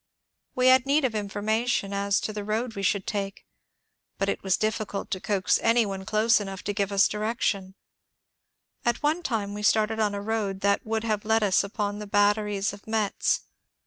We had need of information as to the road we should take, but it was difficult to coax any one close enough to give us direction ; at one time we started on a road that would have led us upon the batteries of Metz.